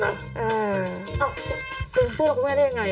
เป็นเพื่อนลูกแม่ได้ยังไง